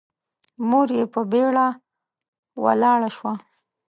مور يې په بيړه ولاړه شوه.